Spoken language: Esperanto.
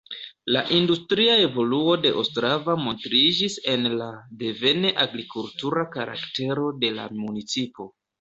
La industria evoluo de Ostrava montriĝis en la devene agrikultura karaktero de la municipo.